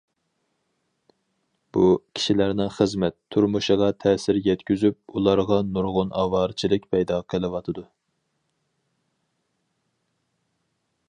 بۇ، كىشىلەرنىڭ خىزمەت، تۇرمۇشىغا تەسىر يەتكۈزۈپ، ئۇلارغا نۇرغۇن ئاۋارىچىلىك پەيدا قىلىۋاتىدۇ.